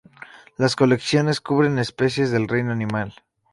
Las colecciones cubren especies del reino animal.